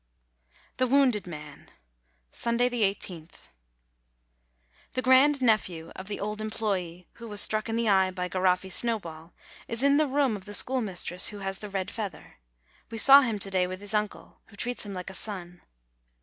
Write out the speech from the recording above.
THE WOUNDED MAN Sunday, i8th. The grandnephew of the old employee who was struck in the eye by Garoffi's snowball is in the room of the schoolmistress who has the red feather : we saw him to day with his uncle, who treats him like a son.